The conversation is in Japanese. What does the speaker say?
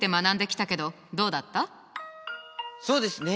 そうですね